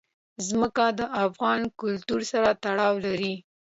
ځمکه د افغان کلتور سره تړاو لري.